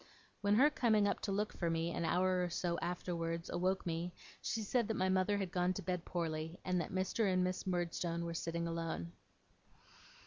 When her coming up to look for me, an hour or so afterwards, awoke me, she said that my mother had gone to bed poorly, and that Mr. and Miss Murdstone were sitting alone.